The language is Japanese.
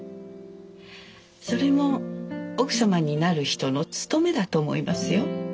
それも奥様になる人のつとめだと思いますよ。